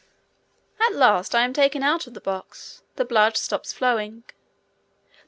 At last I am taken out of the box; the blood stops flowing.